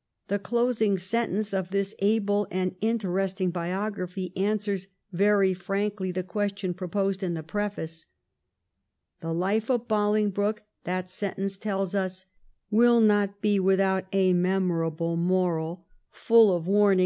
' The closing sen tence of this able and interesting biography answers very frankly the question proposed in the preface. The life of Bolingbroke, that sentence tells us, ' will not be without a memorable moral, full of warning 1712 13 BOLINGBROKE IN PARLIAMENT.